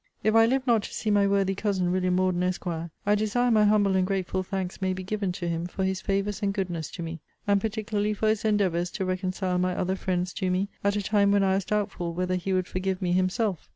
If I live not to see my worthy cousin, William Morden, Esq. I desire my humble and grateful thanks may be given to him for his favours and goodness to me; and particularly for his endeavours to reconcile my other friends to me, at a time when I was doubtful whether he would forgive me himself.